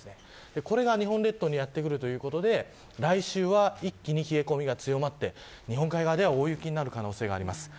これが日本列島にやってくるということで来週は一気に冷え込みが強まって日本海側では大雪になる可能性があります。